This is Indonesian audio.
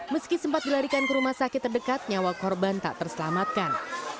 meski sempat dilarikan ke rumah sakit terdekat nyawa korban tak terselamatkan